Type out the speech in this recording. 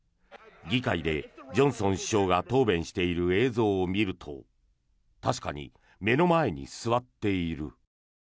議会でジョンソン首相が答弁している映像を見ると確かに目の前に座っている。